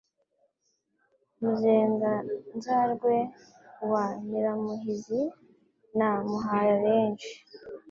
Muzenganzarwe wa Nyiramuhizi na Muhaya-benshi,